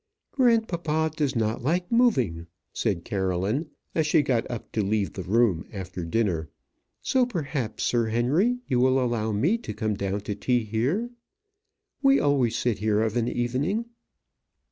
"Grandpapa does not like moving," said Caroline, as she got up to leave the room after dinner; "so perhaps, Sir Henry, you will allow me to come down to tea here? We always sit here of an evening."